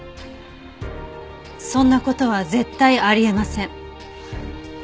そんな事は絶対あり得ません。